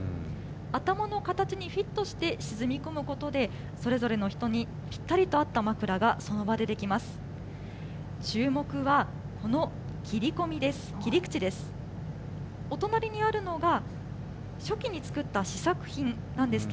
頭の形にフィットして沈み込むことで、それぞれの人にぴったりと合った枕がその場で出来ます。